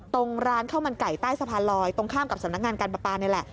ตรงร้านข้าวมันไก่ใต้สะพานลอยตรงข้ามกับสำนักงานการประปานี่แหละ